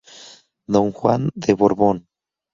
Don Juan de Borbón.